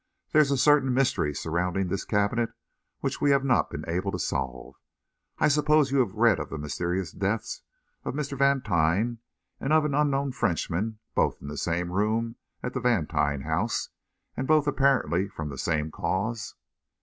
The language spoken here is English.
There is a certain mystery surrounding this cabinet which we have not been able to solve. I suppose you have read of the mysterious deaths of Mr. Vantine and of an unknown Frenchman, both in the same room at the Vantine house, and both apparently from the same cause?"